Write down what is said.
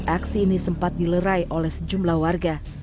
aksi ini sempat dilerai oleh sejumlah warga